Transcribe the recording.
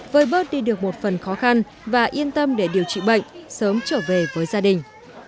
vơi bớt đi được một phần khó khăn và yên tâm để điều trị bệnh sớm trở về với gia đình